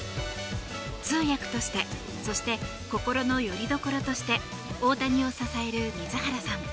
通訳としてそして心のよりどころとして大谷を支える水原さん。